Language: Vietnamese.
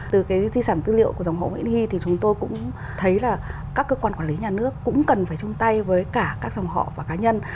từ cái di sản tư liệu của dòng họ nguyễn huy thì chúng tôi cũng thấy là các cơ quan quản lý nhà nước cũng cần phải chung tay với cả các dòng họ và cá nhân